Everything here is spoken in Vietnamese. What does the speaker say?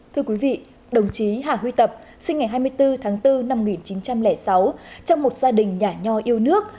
thưa quý vị đồng chí hà huy tập sinh ngày hai mươi bốn tháng bốn năm một nghìn chín trăm linh sáu trong một gia đình nhả nhò yêu nước